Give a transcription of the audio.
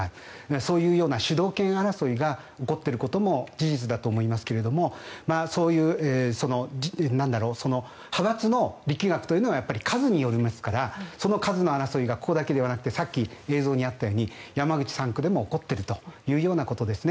そういう主導権争いが起こっていることも事実だと思いますがそういう派閥の力学というのは数によりますからその数の争いがここだけではなくてさっき映像にあったように山口３区でも起こっているということですね。